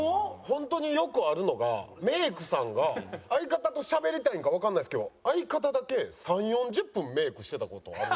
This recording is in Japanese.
ホントによくあるのがメイクさんが相方としゃべりたいんかわかんないですけど相方だけ３０４０分メイクしてた事あるんですよ。